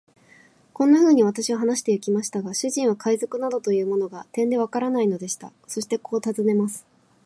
こんなふうに私は話してゆきましたが、主人は海賊などというものが、てんでわからないのでした。そしてこう尋ねます。